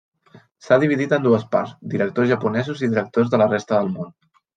S'ha dividit en dues parts: directors japonesos i directors de la resta del món.